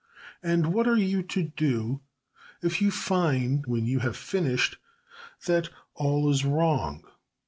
And what are you to do if you find, when you have finished, that it is all wrong?